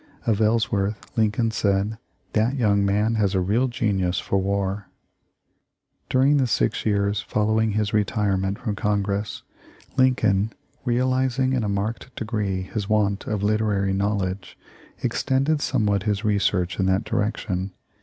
Of Ellsworth, Lincoln said: That young man has a real genius for war !'" During the six years following his retirement from Congress, Lincoln, realizing in a marked degree his want of literary knowledge, extended somewhat his research in that direction.